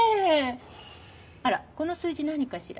あらこの数字何かしら？